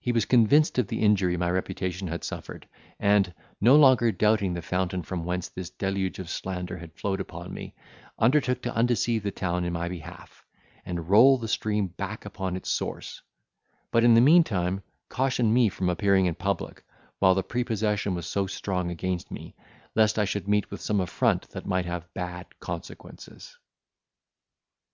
He was convinced of the injury my reputation had suffered; and, no longer doubting the fountain from whence this deluge of slander had flowed upon me, undertook to undeceive the town in my behalf, and roll the stream back upon its source; but in the meantime, cautioned me from appearing in public, while the prepossession was so strong against me, lest I should meet with some affront that might have bad consequences.